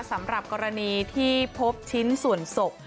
สำหรับกรณีที่พบชิ้นส่วนศพ